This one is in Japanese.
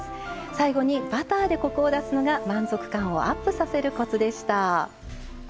最後にバターでコクを出すのが満足感をアップさせるコツでした。